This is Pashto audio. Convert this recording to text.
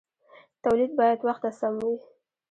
تولید باید وخت ته سم وي.